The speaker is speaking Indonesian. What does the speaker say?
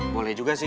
boleh juga sih